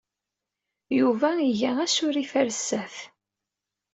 Yuba iga asurif ɣer sdat.